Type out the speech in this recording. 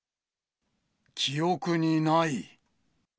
記憶にない。